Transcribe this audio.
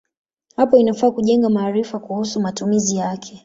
Hapo inafaa kujenga maarifa kuhusu matumizi yake.